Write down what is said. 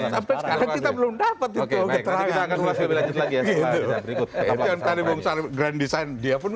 sampai sekarang kita belum dapat itu keterangan